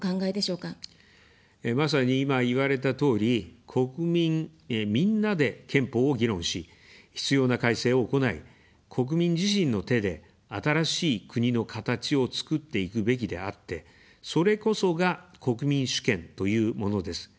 まさに今、言われたとおり、国民みんなで憲法を議論し、必要な改正を行い、国民自身の手で新しい「国のかたち」をつくっていくべきであって、それこそが、国民主権というものです。